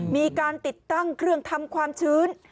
มีการติดตั้งเครื่องทำความชื้น